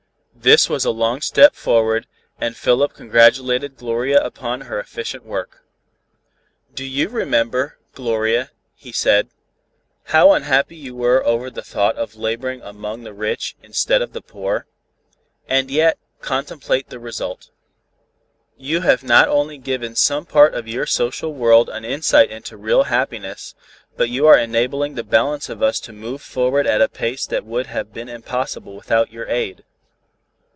This was a long step forward, and Philip congratulated Gloria upon her efficient work. "Do you remember, Gloria," he said, "how unhappy you were over the thought of laboring among the rich instead of the poor? And yet, contemplate the result. You have not only given some part of your social world an insight into real happiness, but you are enabling the balance of us to move forward at a pace that would have been impossible without your aid."